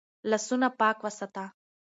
لاسونه پاک وساته.